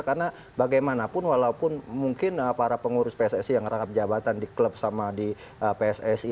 karena bagaimanapun walaupun mungkin para pengurus pssi yang rangkap jabatan di klub sama di pssi